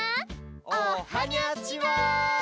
おはにゃちは！